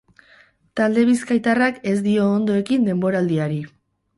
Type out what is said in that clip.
Talde bizkaitarrak ez dio ondo ekin denboraldiari.